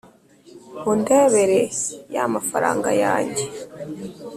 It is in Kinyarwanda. Undebere ya mafaranga yange,